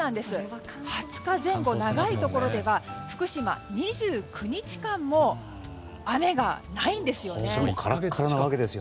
２０日前後、長いところでは福島、２９日間もカラッカラなわけですね。